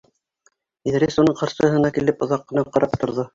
Иҙрис уның ҡаршыһына килеп оҙаҡ ҡына ҡарап торҙо.